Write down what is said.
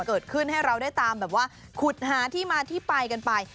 เกิดขึ้นให้เราได้ตามแบบว่าขุดหาที่มาที่ไปกันไป